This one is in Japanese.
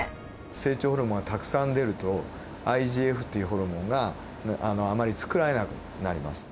成長ホルモンがたくさん出るとＩＧＦっていうホルモンがあまりつくられなくなります。